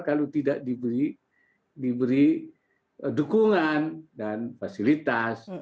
kalau tidak diberi dukungan dan fasilitas